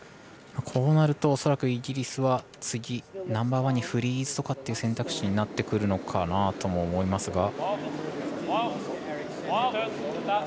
こうなると恐らくイギリスはナンバーワンにフリーズとかって選択肢になってくるのかなとも思います。